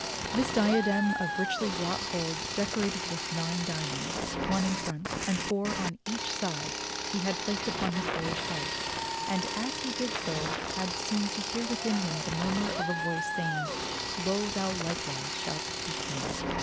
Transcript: This diadem of richly wrought gold, decorated with nine diamonds — one in front and four on each side, he had placed upon his boyish head; and as he did so had seemed to hear within him the murmur of a voice saying: "Lo, thou likewise shalt be king."